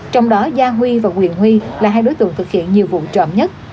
trong đó gia huy và quyền huy là hai đối tượng thực hiện nhiều vụ trộm nhất